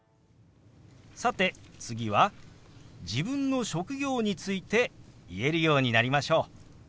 さて次は自分の職業について言えるようになりましょう。